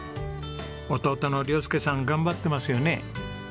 弟の亮佑さん頑張ってますよね？